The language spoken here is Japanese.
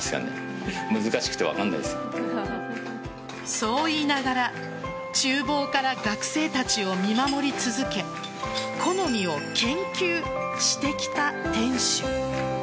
そう言いながら厨房から学生たちを見守り続け好みを研究してきた店主。